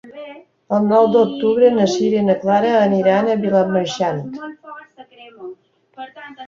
El nou d'octubre na Sira i na Clara iran a Vilamarxant.